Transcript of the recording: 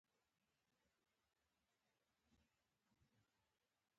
پښتو کتابونه، پېښوري او کندهاري تاجرانو په هند او نورو ښارو چاپول.